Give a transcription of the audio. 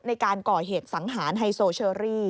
ในการก่อเหตุสังหารไฮโซเชอรี่